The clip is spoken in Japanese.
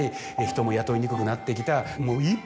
人も雇いにくくなってきた。